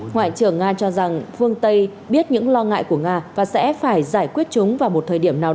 ngoại trưởng nga cho rằng phương tây biết những lo ngại của nga và sẽ phải giải quyết chúng vào một thời điểm nào đó